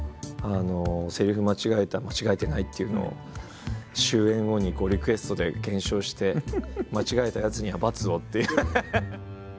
せりふ間違えた間違えてないっていうのを終演後にリクエストで検証して間違えたやつには罰をっていうハハハハ！